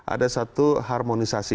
ada satu harmonisasi